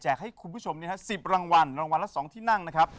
แจกให้คุณผู้ชมเนี่ยฮะสิบรางวัลรางวัลละสองที่นั่งนะครับ